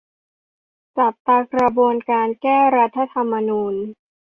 จับตากระบวนการ แก้รัฐธรรมนูญ